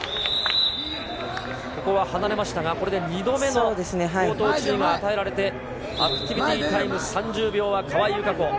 ここは離れましたが、２度目の口頭注意が与えられてアクティビティタイム３０秒は川井友香子。